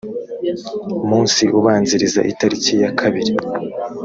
munsi ubanziriza itariki ya kabiri